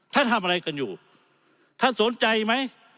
ทำอะไรกันอยู่ท่านสนใจไหม